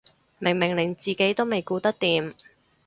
明明連自己都未顧得掂